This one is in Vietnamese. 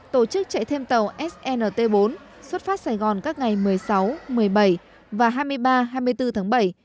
tổ chức chạy thêm tàu snt bốn xuất phát sài gòn các ngày một mươi sáu một mươi bảy và hai mươi ba hai mươi bốn tháng bảy